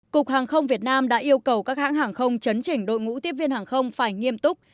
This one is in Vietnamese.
cục hàng không việt nam đã yêu cầu các hãng hàng không chấn chỉnh đội ngũ tiếp viên hàng không phải nghiêm túc